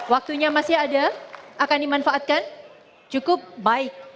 waktunya masih ada akan dimanfaatkan cukup baik